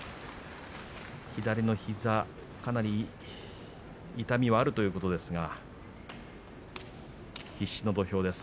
左の膝痛みはあるということですが大奄美、必死の土俵です。